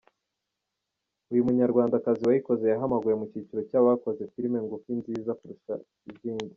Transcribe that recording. Uyu munyarwandakazi wayikoze yahamagawe mu cyiciro cy’abakoze filime ngufi nziza kurusha izindi.